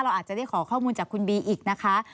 อาจจะได้ขอข้อมูลจากคุณบีอีกนะคะ